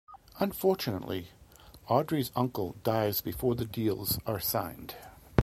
Unfortunately, Audrey's uncle dies before the deals are signed.